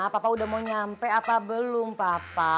apakah udah mau nyampe apa belum papa